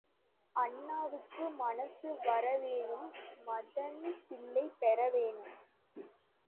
அண்ணாவுக்கு மனசு வரவேணும் மதனி பிள்ளை பெற வேணும்.